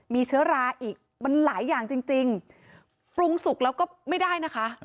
มีเชื้อราอีกมันหลายอย่างจริงปรุงสุกแล้วก็ไม่ได้นะคะ